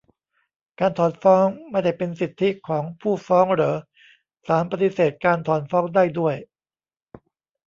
การถอนฟ้องไม่ได้เป็นสิทธิของผู้ฟ้องเหรอ ศาลปฏิเสธการถอนฟ้องได้ด้วย ?